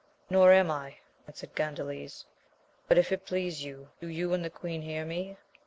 Nor am I, answered Gandales, but if it please you, do you and the queen hear me.